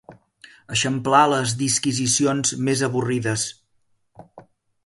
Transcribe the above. Eixamplar les disquisicions més avorrides.